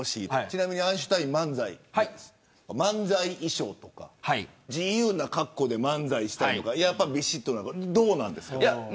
ちなみにアインシュタイン漫才衣装とか自由な格好で漫才したりとかやっぱり、びしっとなのかどうですか。